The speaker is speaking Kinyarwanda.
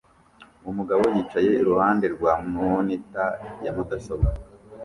Umugabo yicaye iruhande rwa monitor ya mudasobwa